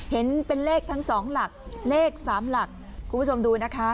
เห็นเป็นเลขทั้งสองหลักเลข๓หลักคุณผู้ชมดูนะคะ